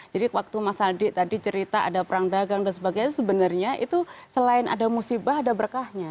jadi waktu mas adik tadi cerita ada perang dagang dan sebagainya sebenarnya itu selain ada musibah ada berkahnya